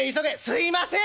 すいません」。